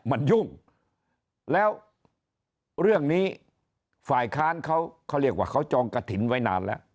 มันยุ่งแล้วเรื่องนี้ฝ่ายค้านเขาเขาเรียกว่าเขาจองกระถิ่นไว้นานแล้ว